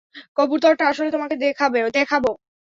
কবুতরটা আসলে তোমাকে দেখাবো।